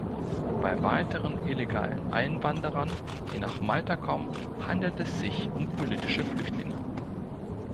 Bei weiteren illegalen Einwanderern, die nach Malta kommen, handelt es sich um politische Flüchtlinge.